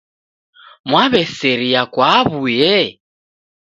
Mwaw'eseria kwa aw'uye